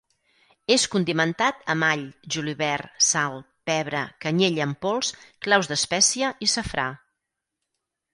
És condimentat amb all, julivert, sal, pebre, canyella en pols, claus d'espècie i safrà.